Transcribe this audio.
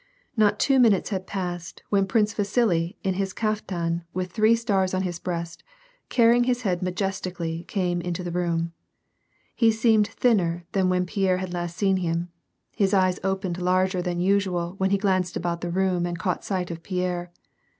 Not two minutes had passed, when Prince Vasili in his kaf tan, with three stars on liis breast, carrying his head majesti cally, came into the room. He seemed thinner than when I^ierre had last seen him ; his eyes opened larger than usual when he glanced al)out the room and caught sight of Pierre.